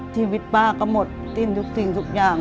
ชีวิตป้าก็หมดสิ้นทุกสิ่งทุกอย่าง